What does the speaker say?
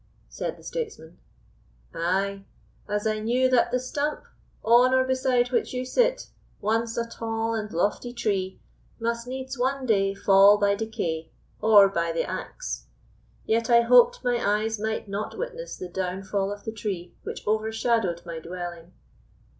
said the statesman. "Ay; as I knew that the stump, on or beside which you sit, once a tall and lofty tree, must needs one day fall by decay, or by the axe; yet I hoped my eyes might not witness the downfall of the tree which overshadowed my dwelling."